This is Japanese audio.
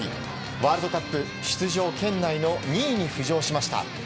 ワールドカップ出場圏内の２位に浮上しました。